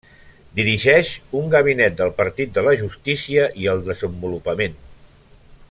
Dirigeix un gabinet del Partit de la Justícia i el Desenvolupament.